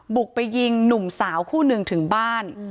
บุกไปยิงหนุ่มสาวคู่หนึ่งถึงบ้าน